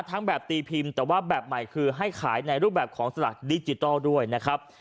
ทั้งแบบตีพิมพ์แต่ว่าแบบใหม่คือให้ขายในรูปแบบของสลักดิจิทัลด้วยนะครับ